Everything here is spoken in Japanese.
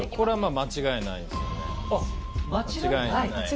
間違いない？